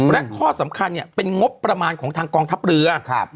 และข้อสำคัญเป็นงบประมาณของทางกองทัพเรือ